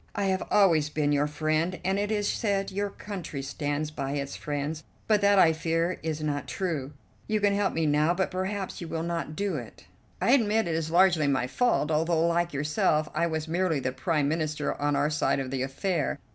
I have always been your friend, and it is said your country stands by its friends; but that, I fear, is not true. You can help me now, but perhaps you will not do it." "I admit it is largely my fault, although, like yourself, I was merely the Prime Minister on our side of the affair.